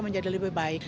menjadi lebih baik